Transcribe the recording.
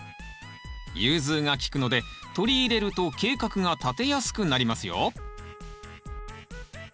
融通がきくので取り入れると計画が立てやすくなりますよ。